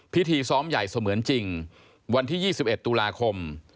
พิธีซ้อมใหญ่เสมือนจริงวันที่๒๑ตุลาคม